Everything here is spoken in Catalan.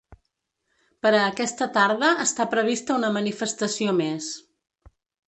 Per a aquesta tarda està prevista una manifestació més.